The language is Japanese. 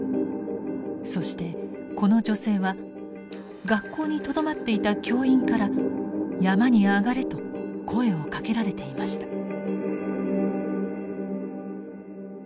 そしてこの女性は学校にとどまっていた教員から山に上がれと声をかけられていました。